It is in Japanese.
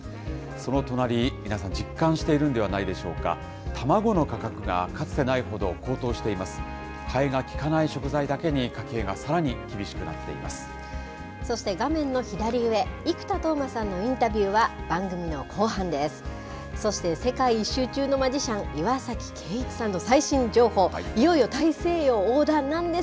そして画面の左上、生田斗真さんのインタビューは、番組の後半です。